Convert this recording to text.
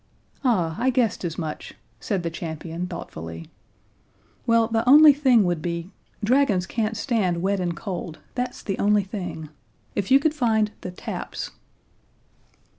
"Ah, I guessed as much," said the Champion, thoughtfully. "Well, the only thing would be ... dragons can't stand wet and cold, that's the only thing. If you could find the taps."